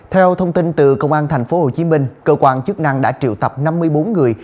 theo thông tin từ công an tp hcm cơ quan chức năng đã triệu tập năm mươi bốn người